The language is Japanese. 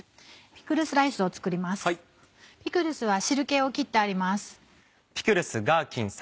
ピクルスは汁気を切ってあります。